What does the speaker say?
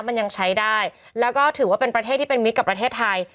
มันยังใช้ได้แล้วก็ถือว่าเป็นประเทศที่เป็นมิตรกับประเทศไทย